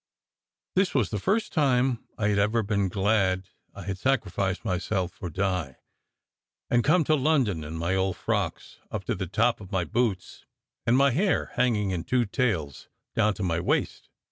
This was the first time I d ever been glad that I had sacri ficed myself for Di, and come to London in my old frocks up to the tops of my boots, and my hair hanging in two tails down to my waist.